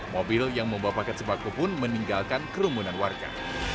mobil yang membawa paket sembako pun meninggalkan kerumunan warga